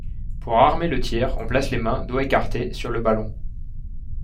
Pour armer le tir, on place les mains, doigts écartés, sur le ballon.